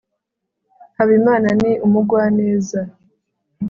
habimana ni umugwaneza